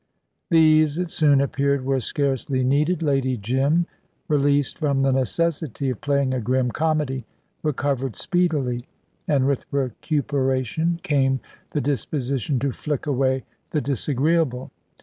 These, it soon appeared, were scarcely needed. Lady Jim, released from the necessity of playing a grim comedy, recovered speedily, and with recuperation came the disposition to flick away the disagreeable.